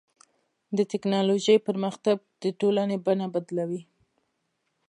د ټکنالوجۍ پرمختګ د ټولنې بڼه بدلوي.